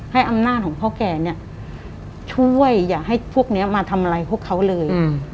ให้อำนาจของพ่อแกเนี่ยช่วยอย่าให้พวกนี้มาทำอะไรพวกเขาเลย